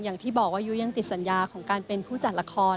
อย่างที่บอกว่ายุยังติดสัญญาของการเป็นผู้จัดละคร